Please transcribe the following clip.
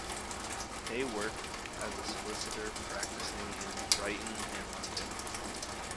Hay worked as a solicitor practicing in Brighton and London.